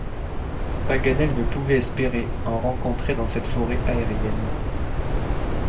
Paganel ne pouvait espérer en rencontrer dans cette forêt aérienne.